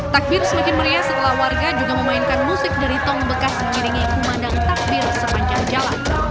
takbir semakin meriah setelah warga juga memainkan musik dari tong bekas mengiringi kumandang takbir sepanjang jalan